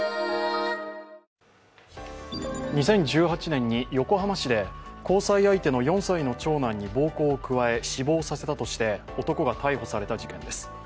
２０１８年に横浜市で交際相手の４歳の長男に暴行を加え、死亡させたとして男が逮捕された事件です。